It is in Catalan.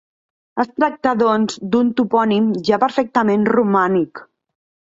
Es tracta, doncs, d'un topònim ja perfectament romànic.